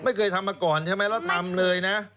ไม่เคยทำมาก่อนใช่ไหมแล้วทำเลยนะ